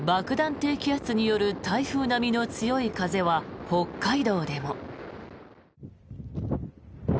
低気圧による台風並みの強い風は北海道でも。